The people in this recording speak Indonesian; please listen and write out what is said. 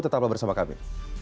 tetap bersama kami